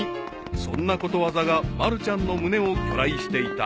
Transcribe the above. ［そんなことわざがまるちゃんの胸を去来していた］